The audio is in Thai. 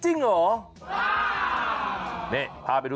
จริงเหรอ